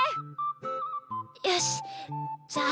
よしじゃあ。